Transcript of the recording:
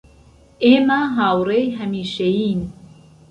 ئێمە هاوڕێی هەمیشەیین